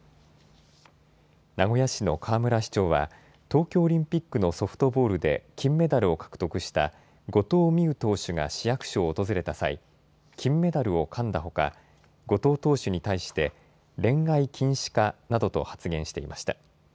名古屋市の河村市長は、東京オリンピックのソフトボールで金メダルを獲得した後藤希友投手が市役所を訪れた際、金メダルをかんだほか、後藤投手に対して、恋愛禁止かなどと発言していました。